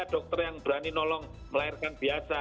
ada dokter yang berani nolong melahirkan biasa